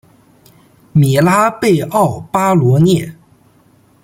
米拉贝奥巴罗涅。